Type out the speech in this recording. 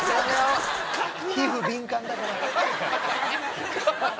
「皮膚敏感だから」